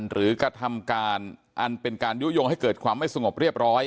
กระทำการอันเป็นการยุโยงให้เกิดความไม่สงบเรียบร้อย